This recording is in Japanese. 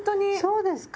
そうですか？